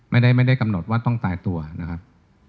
ไม่ได้กำหนดว่าต้องตายตัวนะครับ